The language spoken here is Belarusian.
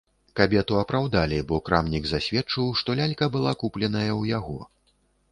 Кабету апраўдалі, бо крамнік засведчыў, што лялька была купленая ў яго.